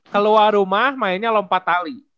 keluar rumah mainnya lompat tali